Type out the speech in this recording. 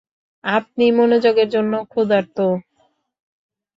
আপনি মনোযোগের জন্য ক্ষুধার্ত।